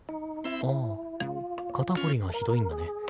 ああ肩凝りがひどいんだね。